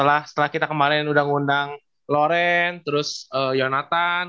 setelah kita kemarin udah ngundang loren terus yonatan